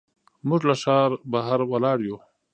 موږ له ښار بهر ولاړ یو.